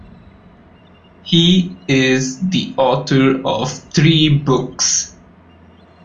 He is the author of three books.